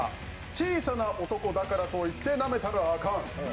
小さな男だからといってなめたらアカン。